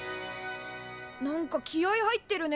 何か気合い入ってるね。